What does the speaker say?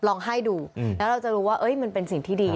ลองให้ดูแล้วเราจะรู้ว่ามันเป็นสิ่งที่ดี